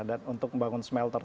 dan untuk membangun smelter